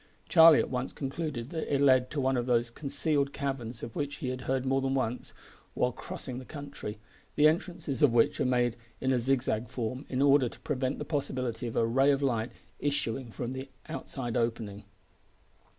Charlie at once concluded that it led to one of those concealed caverns, of which he had heard more than once while crossing the country, the entrances of which are made in zig zag form in order to prevent the possibility of a ray of light issuing from the outside opening.